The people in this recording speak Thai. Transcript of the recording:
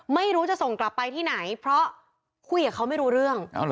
ไม่รู้จะส่งกลับไปที่ไหนเพราะคุยกับเขาไม่รู้เรื่อง